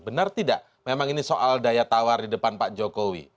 benar tidak memang ini soal daya tawar di depan pak jokowi